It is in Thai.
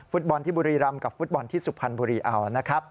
ฟุตบอลที่บุรีรำกับฟุตบอลที่สุพรรณบุรีเอานะครับ